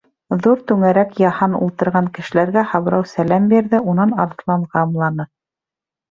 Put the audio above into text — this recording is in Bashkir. Ҙур түңәрәк яһан ултырған кешеләргә Һабрау сәләм бирҙе, унан Арыҫланға ымланы.